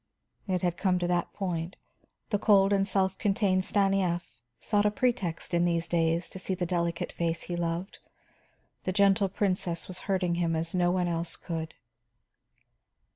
It had come to that point; the cold and self contained Stanief sought a pretext in these days to see the delicate face he loved. The Gentle Princess was hurting him as no one else could.